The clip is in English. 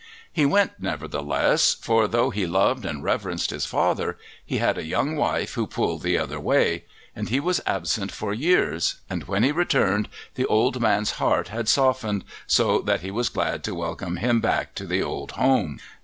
He went nevertheless, for, though he loved and reverenced his father, he had a young wife who pulled the other way; and he was absent for years, and when he returned the old man's heart had softened, so that he was glad to welcome him back to the old home.